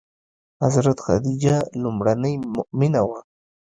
حضرت خدیجه لومړنۍ مومنه وه.